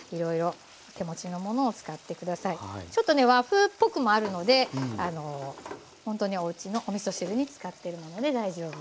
ちょっとね和風っぽくもあるのでほんとにおうちのおみそ汁に使ってるもので大丈夫です。